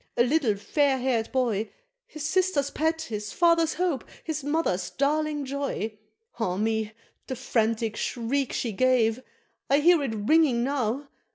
a little fair haired boy, His sister's pet, his father's hope, his mother's darling joy! Ah me! the frantic shriek she gave! I hear it ringing now!